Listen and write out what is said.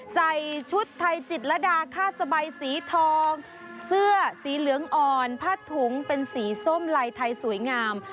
ใส่ชุดไทยจิตรดาผ้าสบายสีทองเสื้อสีเหลืองอ่อนผ้าถุงเป็นสีส้มลายไทยสวยงาม